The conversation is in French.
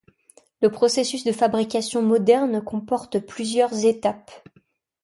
Le processus de fabrication moderne comporte plusieurs étapes.